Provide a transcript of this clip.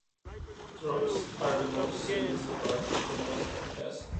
Drops are the most serious departure from Western chess.